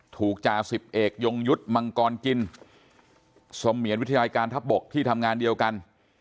จ่าสิบเอกยงยุทธ์มังกรกินสมเหรนวิทยาลัยการทัพบกที่ทำงานเดียวกัน